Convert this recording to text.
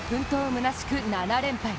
むなしく７連敗。